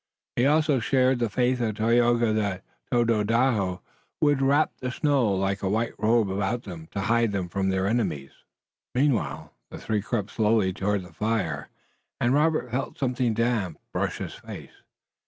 He also shared the faith of Tayoga that Tododaho would wrap the snow like a white robe about them to hide them from their enemies. Meanwhile the three crept slowly toward the fire, and Robert felt something damp brush his face.